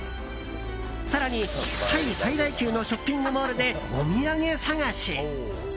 更に、タイ最大級のショッピングモールでお土産探し。